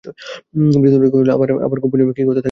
বিনোদিনী কহিল, আমার আবার গোপনীয় কী থাকিতে পারে, শুনি।